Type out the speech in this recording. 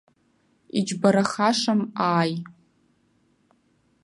Иџьбарахашам ааи.